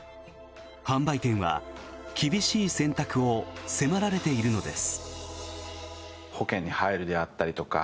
販売店は厳しい選択を迫られているのです。